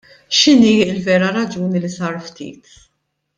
X'inhi l-vera raġuni li sar ftit?